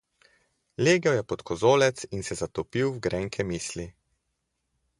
Legel je pod kozolec in se zatopil v grenke misli.